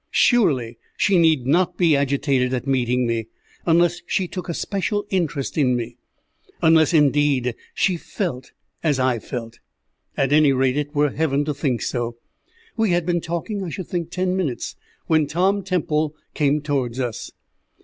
Surely she need not be agitated at meeting me, unless she took a special interest in me unless, indeed, she felt as I felt! At any rate, it were heaven to think so. We had been talking I should think ten minutes, when Tom Temple came towards us.